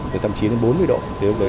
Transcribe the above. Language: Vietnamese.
từ tầm chín đến bốn mươi độ thì lúc đấy